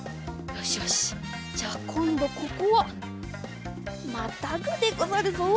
よしよしじゃあこんどここはまたぐでござるぞ。